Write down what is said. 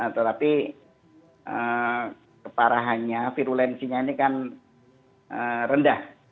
tetapi keparahannya virulensinya ini kan rendah